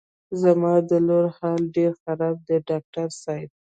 زما د لور حال ډېر خراب دی ډاکټر صاحب.